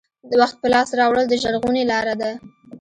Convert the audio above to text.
وخت په لاس راوړل د ژغورنې لاره ده.